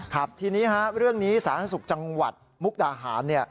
ครับทีนี้เรื่องนี้ศาลนักศึกษ์จังหวัดมุกดาหาร